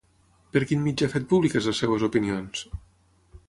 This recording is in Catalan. Per quin mitjà ha fet públiques les seves opinions?